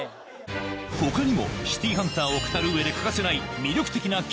他にも『シティーハンター』を語る上で欠かせない